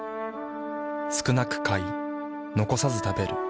少なく買い残さず食べる。